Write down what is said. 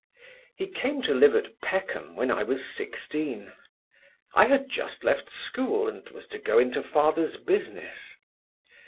"He came to live at Peckham when I was sixteen. I had just left school, and was to go into father's business.